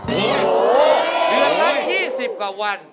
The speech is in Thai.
เดือนละ๒๐กว่าวัน